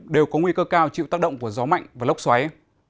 đều có nguy cơ cao chịu tác động của gió mạnh và lốc xoáy